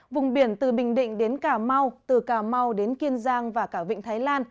vùng biển từ bình định đến cà mau từ cà mau đến kiên giang và cả vịnh thái lan